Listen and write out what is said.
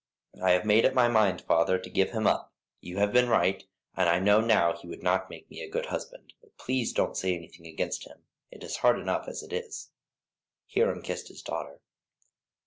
"I have made up my mind, father, to give him up. You have been right, and I know now he would not make me a good husband; but please don't say anything against him, it is hard enough as it is." Hiram kissed his daughter.